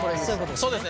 そうですね